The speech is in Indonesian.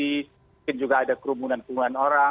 mungkin juga ada kerumunan keluhan orang